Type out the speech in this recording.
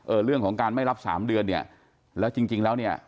เรื่องของการไม่รับสามเดือนเนี่ยแล้วจริงจริงแล้วเนี่ย